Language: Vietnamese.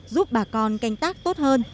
giúp bà con canh tác tốt hơn